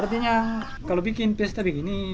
artinya kalau bikin pister begini